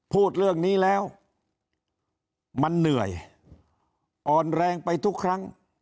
พูดเรื่องนี้แล้วมันเหนื่อยอ่อนแรงไปทุกครั้ง